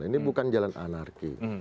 ini bukan jalan anarki